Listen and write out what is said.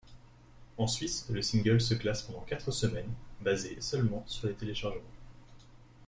En Suisse, le single sa classe pendant quatre semaines basées seulement sur les téléchargements.